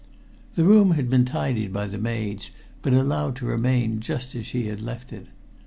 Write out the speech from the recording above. The room had been tidied by the maids, but allowed to remain just as she had left it.